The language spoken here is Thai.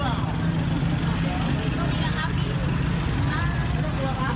บ๊ายบาย